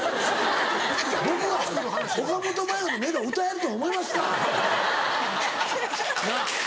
僕が岡本真夜のメロ歌えると思いますか？なぁ。